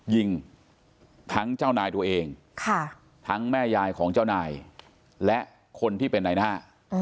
ยิงทั้งเจ้านายตัวเองทั้งแม่ยายของเจ้านายและคนที่เป็นนายหน้า